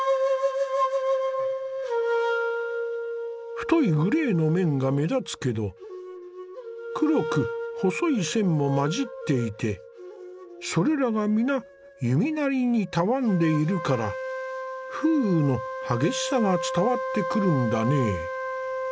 太いグレーの面が目立つけど黒く細い線も交じっていてそれらが皆弓なりにたわんでいるから風雨の激しさが伝わってくるんだね。